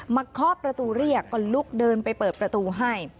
เคาะประตูเรียกก็ลุกเดินไปเปิดประตูให้